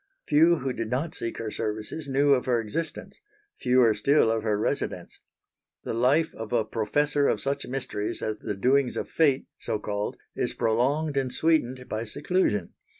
Few who did not seek her services knew of her existence, fewer still of her residence. The life of a professor of such mysteries as the doings of Fate so called is prolonged and sweetened by seclusion.